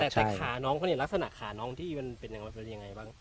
แต่ขาน้องเขานี่ลักษณะขาน้องที่มันเป็นยังไงบ้าง